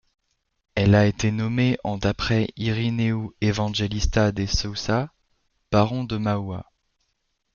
Elle a été nommée en d'après Irineu Evangelista de Sousa, baron de Mauá.